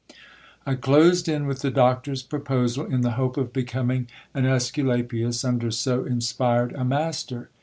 I closed in with the doctor's proposal, in the hope of becoming an Esculapius under so inspired a master.